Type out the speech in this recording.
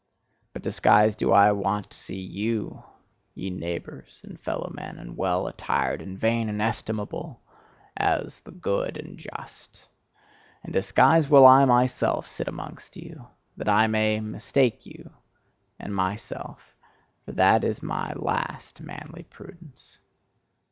But disguised do I want to see YOU, ye neighbours and fellowmen, and well attired and vain and estimable, as "the good and just;" And disguised will I myself sit amongst you that I may MISTAKE you and myself: for that is my last manly prudence.